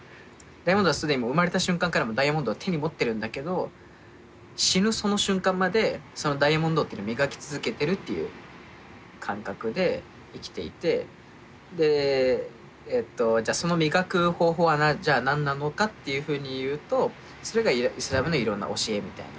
ダイヤモンドは既に生まれた瞬間からダイヤモンドは手に持ってるんだけど死ぬその瞬間までダイヤモンドっていうのを磨き続けてるっていう感覚で生きていてその磨く方法はじゃあ何なのかっていうふうに言うとそれがイスラムのいろんな教えみたいな。